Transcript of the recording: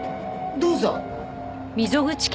どうぞ。